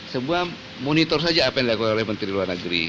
semua monitor saja apa yang dilakukan oleh menteri luar negeri